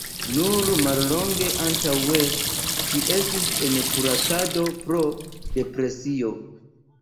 Nur mallonge antaŭe ŝi estis en kuracado pro depresio.